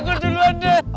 aku duluan deh